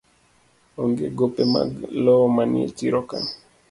Onge gope mag lowo manie chiro ka